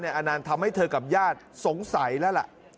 อานันต์ทำให้เธอกับญาติสงสัยแล้วล่ะ